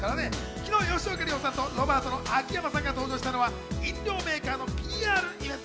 昨日、吉岡里帆さんとロバート・秋山さんが登場したのは、飲料メーカーのＰＲイベント。